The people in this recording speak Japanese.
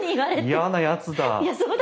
嫌なやつだ。